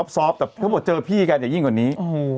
ซอฟต์แต่เขาบอกเจอพี่กันอย่ายิ่งกว่านี้